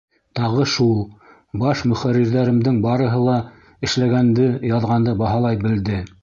Тағы шул: баш мөхәррирҙәремдең барыһы ла эшләгәнде, яҙғанды баһалай белде.